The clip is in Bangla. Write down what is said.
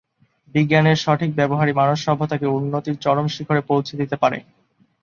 বিজ্ঞানের সঠিক ব্যবহারই মানবসভ্যতাকে উন্নতির চরম শিখরে পৌঁছে দিতে পারে।